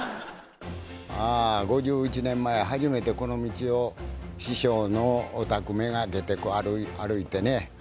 あ５１年前初めてこの道を師匠のお宅目がけて歩いてね。